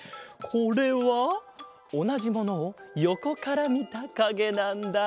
これはおなじものをよこからみたかげなんだ。